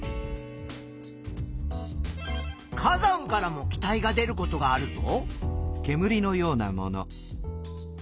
火山からも気体が出ることがあるぞ。